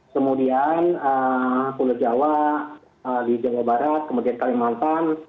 kemudian pulau jawa di jawa barat kemudian kalimantan